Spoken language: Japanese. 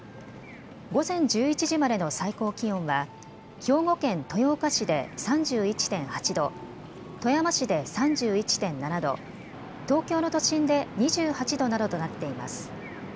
午前１１時までの最高気温は兵庫県豊岡市で３１．８度、富山市で３１．７度、東京の都心で２８度などとなっています。